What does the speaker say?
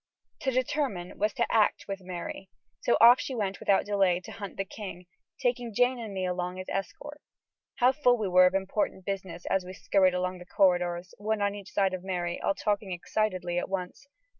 To determine was to act with Mary, so off she went without delay to hunt the king, taking Jane and me along as escort. How full we were of important business, as we scurried along the corridors, one on each side of Mary, all talking excitedly at once.